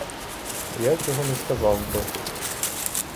Я цього не сказав би.